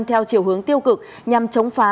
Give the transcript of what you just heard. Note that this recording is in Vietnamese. theo chiều hướng tiêu cực nhằm chống phá